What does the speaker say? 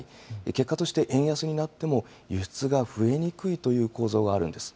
結果として、円安になっても、輸出が増えにくいという構造があるんです。